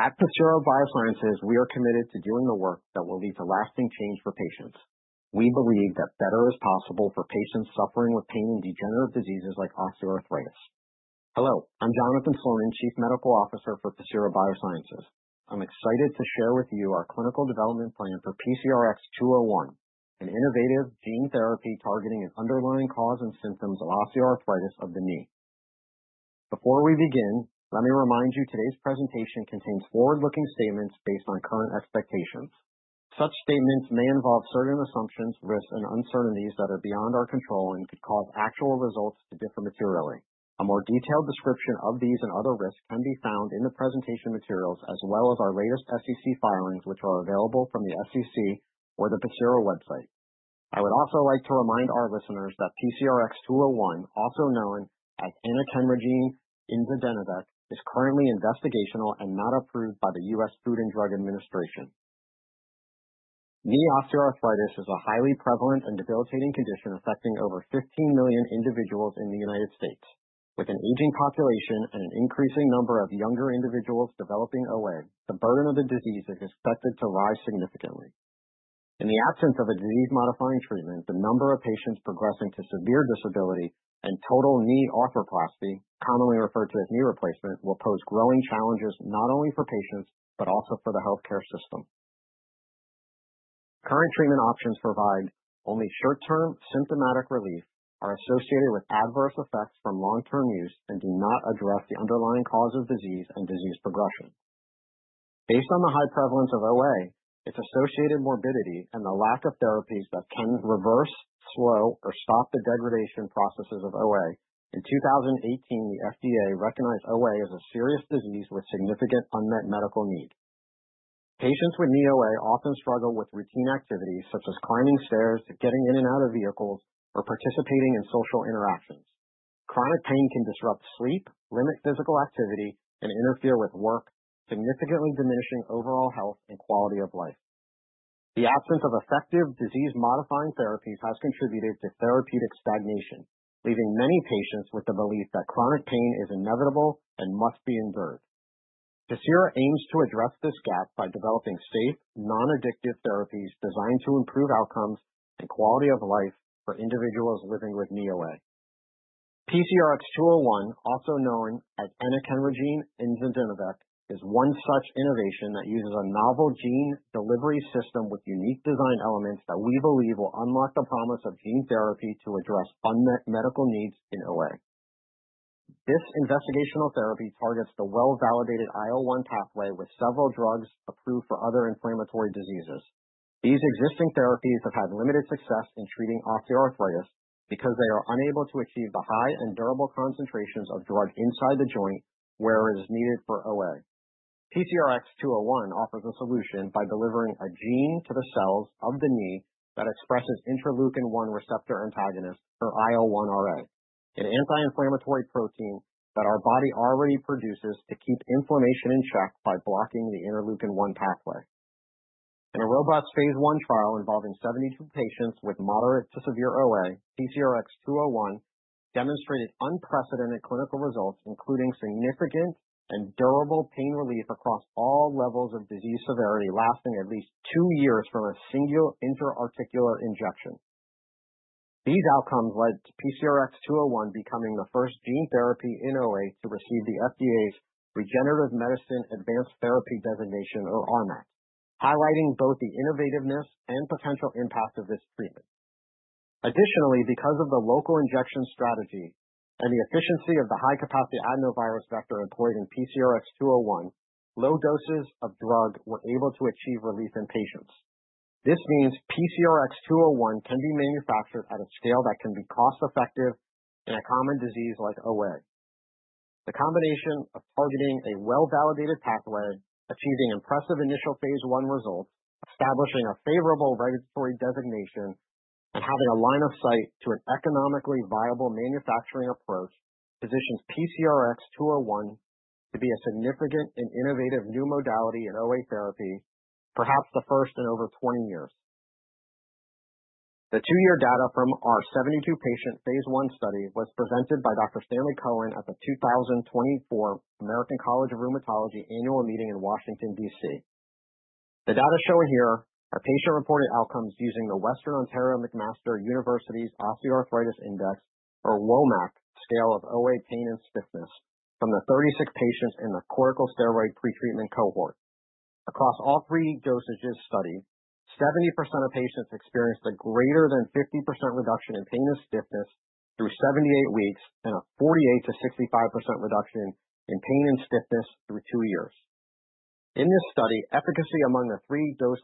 We believe that better is possible for patients suffering with pain and degenerative diseases like osteoarthritis. Hello, I'm Jonathan Slonin, Chief Medical Officer for Pacira BioSciences. I'm excited to share with you our clinical development plan for PCRX-201, an innovative gene therapy targeting an underlying cause and symptoms of osteoarthritis of the knee. Before we begin, let me remind you today's presentation contains forward-looking statements based on current expectations. Such statements may involve certain assumptions, risks, and uncertainties that are beyond our control and could cause actual results to differ materially. A more detailed description of these and other risks can be found in the presentation materials, as well as our latest SEC filings, which are available from the SEC or the Pacira website. I would also like to remind our listeners that PCRX-201, also known as enekinragene inzadenovec, is currently investigational and not approved by the U.S. Food and Drug Administration. Knee osteoarthritis is a highly prevalent and debilitating condition affecting over 15 million individuals in the United States. With an aging population and an increasing number of younger individuals developing OA, the burden of the disease is expected to rise significantly. In the absence of a disease-modifying treatment, the number of patients progressing to severe disability and total knee arthroplasty, commonly referred to as knee replacement, will pose growing challenges not only for patients but also for the healthcare system. Current treatment options provide only short-term symptomatic relief, are associated with adverse effects from long-term use, and do not address the underlying cause of disease and disease progression. Based on the high prevalence of OA, its associated morbidity, and the lack of therapies that can reverse, slow, or stop the degradation processes of OA, in 2018, the FDA recognized OA as a serious disease with significant unmet medical need. Patients with knee OA often struggle with routine activities such as climbing stairs, getting in and out of vehicles, or participating in social interactions. Chronic pain can disrupt sleep, limit physical activity, and interfere with work, significantly diminishing overall health and quality of life. The absence of effective disease-modifying therapies has contributed to therapeutic stagnation, leaving many patients with the belief that chronic pain is inevitable and must be endured. Pacira aims to address this gap by developing safe, non-addictive therapies designed to improve outcomes and quality of life for individuals living with knee OA. PCRX-201, also known as eneikinragene inzadenovec, is one such innovation that uses a novel gene delivery system with unique design elements that we believe will unlock the promise of gene therapy to address unmet medical needs in OA. This investigational therapy targets the well-validated IL-1 pathway with several drugs approved for other inflammatory diseases. These existing therapies have had limited success in treating osteoarthritis because they are unable to achieve the high and durable concentrations of drug inside the joint where it is needed for OA. PCRX-201 offers a solution by delivering a gene to the cells of the knee that expresses interleukin-1 receptor antagonist, or IL-1RA, an anti-inflammatory protein that our body already produces to keep inflammation in check by blocking the Interleukin-1 pathway. In a robust phase I trial involving 72 patients with moderate to severe OA, PCRX-201 demonstrated unprecedented clinical results, including significant and durable pain relief across all levels of disease severity, lasting at least two years from a single intra-articular injection. These outcomes led to PCRX-201 becoming the first gene therapy in OA to receive the FDA's Regenerative Medicine Advanced Therapy designation, or RMAT, highlighting both the innovativeness and potential impact of this treatment. Additionally, because of the local injection strategy and the efficiency of the high-capacity adenovirus vector employed in PCRX-201, low doses of drug were able to achieve relief in patients. This means PCRX-201 can be manufactured at a scale that can be cost-effective in a common disease like OA. The combination of targeting a well-validated pathway, achieving impressive initial phase I results, establishing a favorable regulatory designation, and having a line of sight to an economically viable manufacturing approach positions PCRX-201 to be a significant and innovative new modality in OA therapy, perhaps the first in over 20 years. The two-year data from our 72-patient phase I study was presented by Dr. Stanley Cohen at the 2024 American College of Rheumatology annual meeting in Washington, D.C. The data shown here are patient-reported outcomes using the Western Ontario and McMaster Universities Osteoarthritis Index, or WOMAC, scale of OA pain and stiffness from the 36 patients in the corticosteroid pretreatment cohort. Across all three dosages studied, 70% of patients experienced a greater than 50% reduction in pain and stiffness through 78 weeks and a 48%-65% reduction in pain and stiffness through two years. In this study, efficacy among the three dose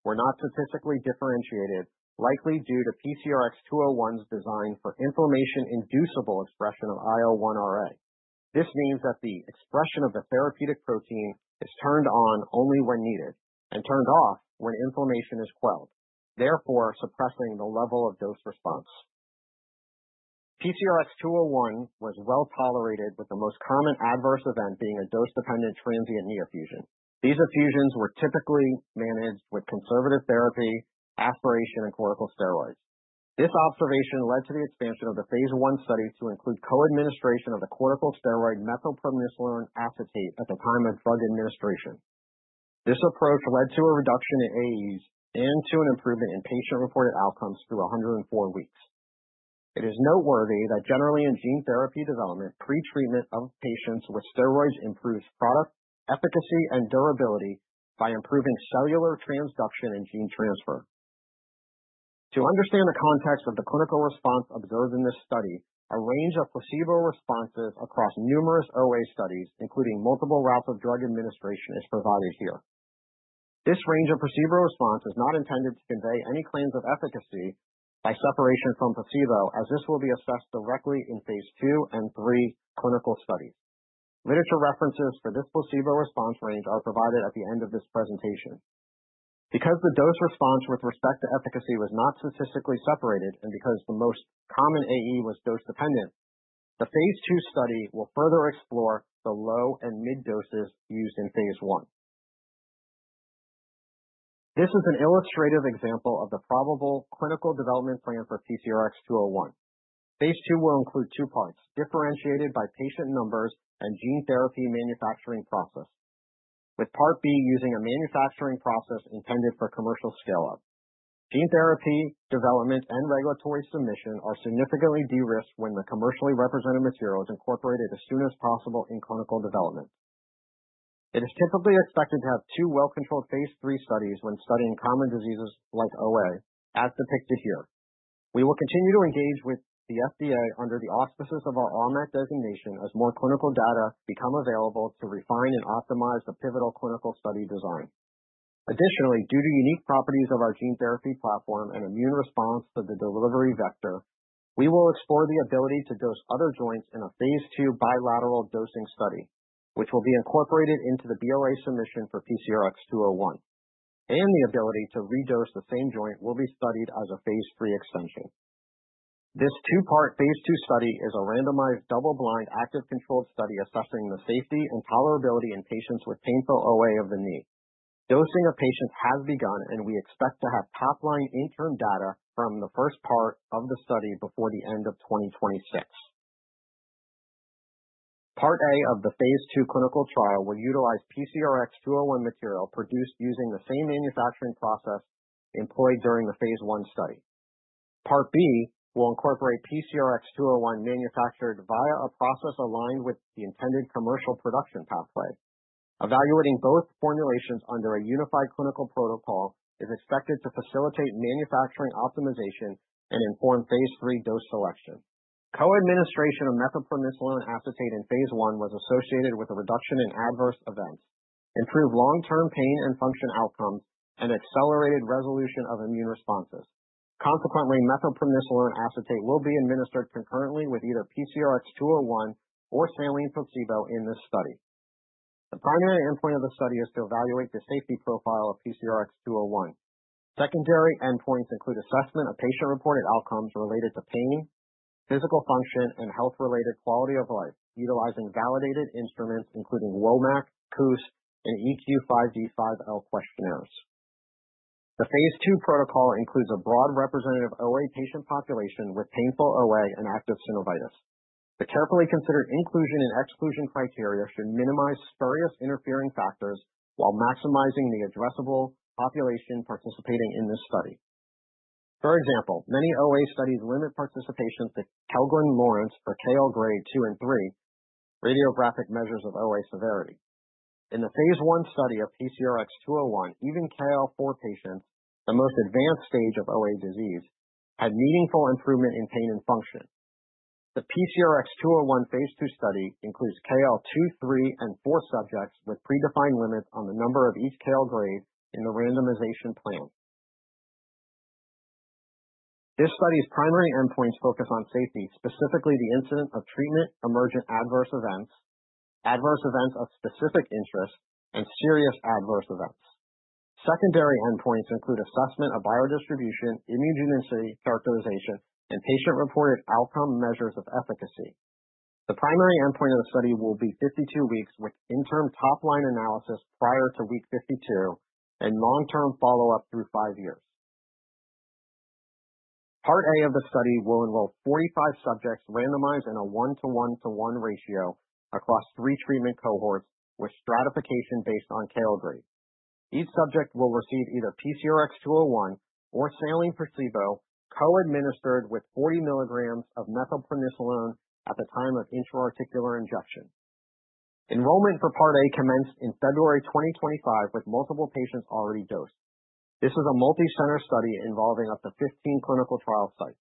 levels were not statistically differentiated, likely due to PCRX-201's design for inflammation-inducible expression of IL-1RA. This means that the expression of the therapeutic protein is turned on only when needed and turned off when inflammation is quelled, therefore suppressing the level of dose response. PCRX-201 was well tolerated, with the most common adverse event being a dose-dependent transient knee effusion. These effusions were typically managed with conservative therapy, aspiration, and corticosteroids. This observation led to the expansion of the phase I study to include co-administration of the corticosteroid methylprednisolone acetate at the time of drug administration. This approach led to a reduction in AEs and to an improvement in patient-reported outcomes through 104 weeks. It is noteworthy that generally in gene therapy development, pretreatment of patients with steroids improves product efficacy and durability by improving cellular transduction and gene transfer. To understand the context of the clinical response observed in this study, a range of placebo responses across numerous OA studies, including multiple routes of drug administration, is provided here. This range of placebo response is not intended to convey any claims of efficacy by separation from placebo, as this will be assessed directly in phase II and III clinical studies. Literature references for this placebo response range are provided at the end of this presentation. Because the dose response with respect to efficacy was not statistically separated, and because the most common AE was dose-dependent, the phase II study will further explore the low and mid doses used in phase I. This is an illustrative example of the probable clinical development plan for PCRX-201. Phase II will include two parts, differentiated by patient numbers and gene therapy manufacturing process, with part B using a manufacturing process intended for commercial scale-up. Gene therapy development and regulatory submission are significantly de-risked when the commercially represented materials are incorporated as soon as possible in clinical development. It is typically expected to have two well-controlled phase III studies when studying common diseases like OA, as depicted here. We will continue to engage with the FDA under the auspices of our RMAT designation as more clinical data become available to refine and optimize the pivotal clinical study design. Additionally, due to unique properties of our gene therapy platform and immune response to the delivery vector, we will explore the ability to dose other joints in a phase II bilateral dosing study, which will be incorporated into the BLA submission for PCRX-201. The ability to redose the same joint will be studied as a phase III extension. This two-part phase II study is a randomized double-blind active-controlled study assessing the safety and tolerability in patients with painful OA of the knee. Dosing of patients has begun, and we expect to have top-line interim data from the first part of the study before the end of 2026. Part A of the phase II clinical trial will utilize PCRX-201 material produced using the same manufacturing process employed during the phase I study. Part B will incorporate PCRX-201 manufactured via a process aligned with the intended commercial production pathway. Evaluating both formulations under a unified clinical protocol is expected to facilitate manufacturing optimization and inform phase III dose selection. Co-administration of methylprednisolone acetate in phase I was associated with a reduction in adverse events, improved long-term pain and function outcomes, and accelerated resolution of immune responses. Consequently, methylprednisolone acetate will be administered concurrently with either PCRX-201 or saline placebo in this study. The primary endpoint of the study is to evaluate the safety profile of PCRX-201. Secondary endpoints include assessment of patient-reported outcomes related to pain, physical function, and health-related quality of life, utilizing validated instruments including WOMAC, COOS, and EQ-5D-5L questionnaires. The phase II protocol includes a broad representative OA patient population with painful OA and active synovitis. The carefully considered inclusion and exclusion criteria should minimize spurious interfering factors while maximizing the addressable population participating in this study. For example, many OA studies limit participation to Kellgren-Lawrence or KL grade II and III radiographic measures of OA severity. In the phase I study of PCRX-201, even KL4 patients, the most advanced stage of OA disease, had meaningful improvement in pain and function. The PCRX-201 phase II study includes KL2, III, and IV subjects with predefined limits on the number of each KL grade in the randomization plan. This study's primary endpoints focus on safety, specifically the incidence of treatment-emergent adverse events, adverse events of specific interest, and serious adverse events. Secondary endpoints include assessment of biodistribution, immunogenicity characterization, and patient-reported outcome measures of efficacy. The primary endpoint of the study will be 52 weeks with interim top-line analysis prior to week 52 and long-term follow-up through five years. Part A of the study will enroll 45 subjects randomized in a 1:1:1 ratio across three treatment cohorts with stratification based on KL grade. Each subject will receive either PCRX-201 or saline placebo co-administered with 40 mg of methylprednisolone at the time of intra-articular injection. Enrollment for Part A commenced in February 2025 with multiple patients already dosed. This is a multi-center study involving up to 15 clinical trial sites.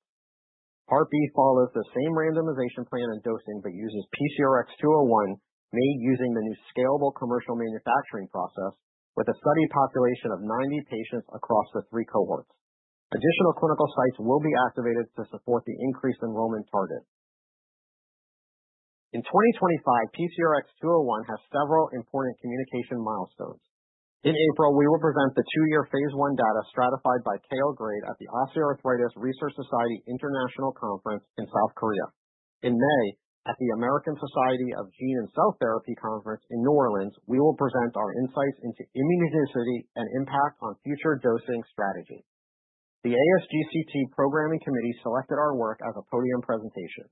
Part B follows the same randomization plan and dosing but uses PCRX-201 made using the new scalable commercial manufacturing process with a study population of 90 patients across the three cohorts. Additional clinical sites will be activated to support the increased enrollment target. In 2025, PCRX-201 has several important communication milestones. In April, we will present the two-year phase I data stratified by KL grade at the Osteoarthritis Research Society International Conference in South Korea. In May, at the American Society of Gene and Cell Therapy Conference in New Orleans, we will present our insights into immunogenicity and impact on future dosing strategy. The ASGCT programming committee selected our work as a podium presentation.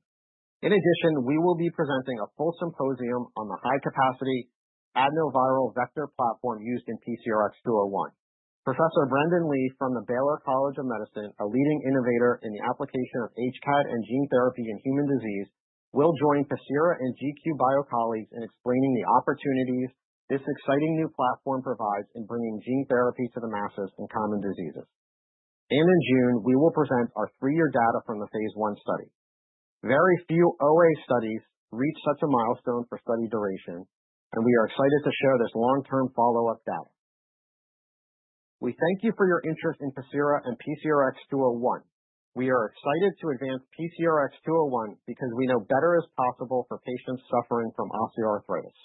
In addition, we will be presenting a full symposium on the high-capacity adenoviral vector platform used in PCRX-201. Professor Brendan Lee from the Baylor College of Medicine, a leading innovator in the application of HCAD and gene therapy in human disease, will join Pacira and GQ Bio colleagues in explaining the opportunities this exciting new platform provides in bringing gene therapy to the masses in common diseases. In June, we will present our three-year data from the phase I study. Very few OA studies reach such a milestone for study duration, and we are excited to share this long-term follow-up data. We thank you for your interest in Pacira and PCRX-201. We are excited to advance PCRX-201 because we know better is possible for patients suffering from osteoarthritis.